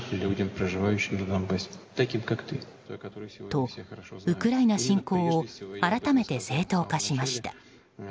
と、ウクライナ侵攻を改めて正当化しました。